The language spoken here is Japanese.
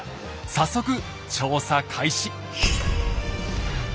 早速調査開始！